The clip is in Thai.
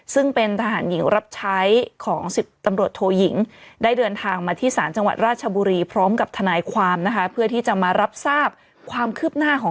ซึ่งเป็นทหารหญิงรับใช้ของ๑๐ตำรวจโทหยิง